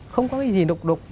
không có cái gì đục đục